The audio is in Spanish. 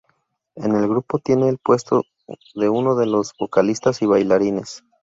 En el grupo tiene el puesto de uno de los vocalistas y bailarines.